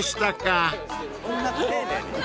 そんな丁寧に。